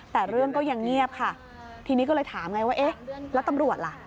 แต่เรื่องก็ยังเงียบค่ะทีนี้ก็เลยถามไงว่าเอ๊ะแล้วตำรวจล่ะ